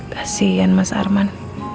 kasian mas arman